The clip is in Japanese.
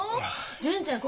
純ちゃん